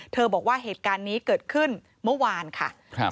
บอกว่าเหตุการณ์นี้เกิดขึ้นเมื่อวานค่ะ